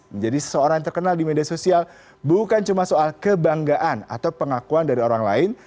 menjadi seseorang yang terkenal di media sosial bukan cuma soal kebanggaan atau pengakuan dari orang lain